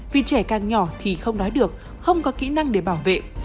vì trẻ càng nhỏ thì không nói được không có kỹ năng để bảo vệ